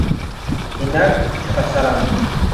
Енагь шьхацаран.